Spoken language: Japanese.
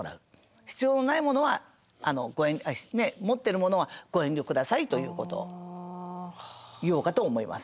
必要のないものは持ってるものはご遠慮下さいということを言おうかと思います。